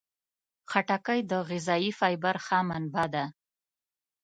خټکی د غذايي فایبر ښه منبع ده.